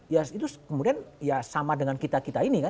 maka itu sama dengan kita kita ini kan